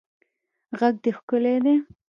غږ دې ښکلی دی